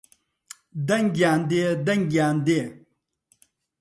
دەنگیان دێ دەنگیان دێ